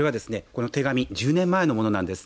この手紙１０年前のものなんです。